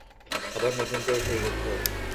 আবার নতুন করে শুরু করতে হবে।